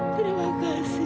terima kasih nek